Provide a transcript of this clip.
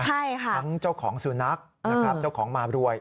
ทั้งเจ้าของซูนัทเจ้าของมารวย